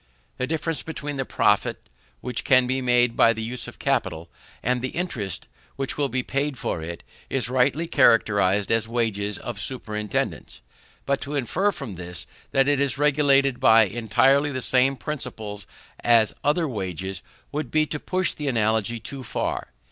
The difference between the profit which can be made by the use of capital, and the interest which will be paid for it, is rightly characterized as wages of superintendance. But to infer from this that it is regulated by entirely the same principles as other wages, would be to push the analogy too far.